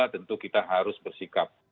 tentu kita harus bersikap